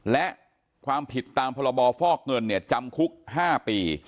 และความผิดตามพรบฟอกเงินจำคุก๕ปี